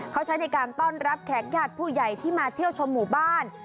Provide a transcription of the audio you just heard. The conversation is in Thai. เขาใช้ในการต้อนรับแขกญาติผู้ใหญ่ที่มาเที่ยวชมหมู่บ้าน